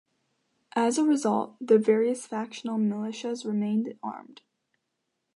As a result, the various factional militias remained armed.